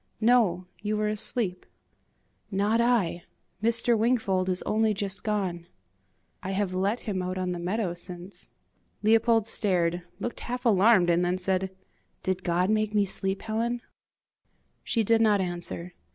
"No, you were asleep." "Not I! Mr. Wingfold is only just gone." "I have let him out on the meadow since." Leopold stared, looked half alarmed, and then said, "Did God make me sleep, Helen?" She did not answer.